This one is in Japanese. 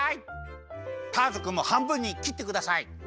ターズくんもはんぶんにきってください！